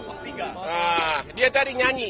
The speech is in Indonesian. nah dia tadi nyanyi